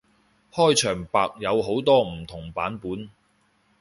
開場白有好多唔同版本